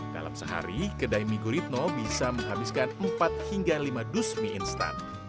dalam sehari kedai mie guritno bisa menghabiskan empat hingga lima dus mie instan